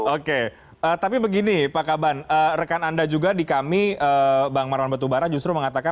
oke tapi begini pak kaban rekan anda juga di kami bang marwan batubara justru mengatakan